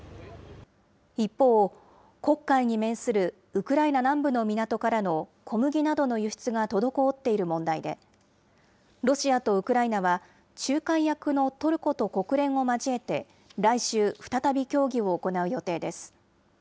一方、黒海に面するウクライナ南部の港からの小麦などの輸出が滞っている問題で、ロシアとウクライナは、仲介役のトルコと国連を交えて、来週、再び協議を行う予定です。